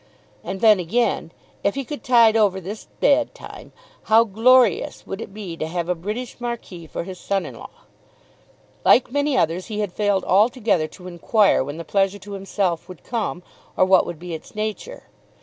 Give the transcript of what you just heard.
And then again, if he could tide over this bad time, how glorious would it be to have a British Marquis for his son in law! Like many others he had failed altogether to enquire when the pleasure to himself would come, or what would be its nature.